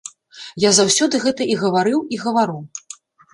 Я заўсёды гэта і гаварыў, і гавару.